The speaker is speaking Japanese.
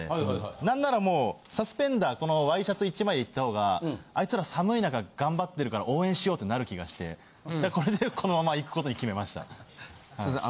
何ならもうサスペンダーこのワイシャツ１枚でいった方が「あいつら寒い中頑張ってるから応援しよう」ってなる気がしてこれでこのままいくことに決めました。